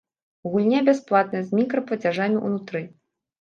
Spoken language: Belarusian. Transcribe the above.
Гульня бясплатная з мікраплацяжамі унутры.